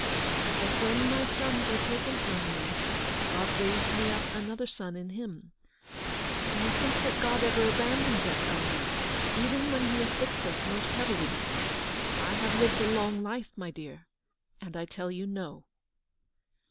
But when my sons were taken from me, God raised me up another son in him. Do you think that 158 ELEANOR'S VICTORY. God ever abandons us, Eleanor, even when he afflicts us most heavily ? I have lived a long life, my dear, and I tell you no